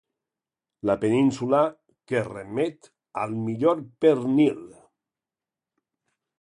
La península que remet al millor pernil.